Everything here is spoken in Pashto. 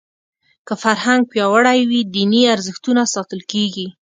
که فرهنګ پیاوړی وي دیني ارزښتونه ساتل کېږي.